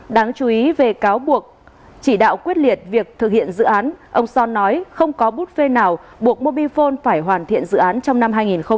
đáng chú ý về cáo buộc chỉ đạo quyết liệt việc thực hiện dự án ông son nói không có bút phê nào buộc mobifone phải hoàn thiện dự án trong năm hai nghìn hai mươi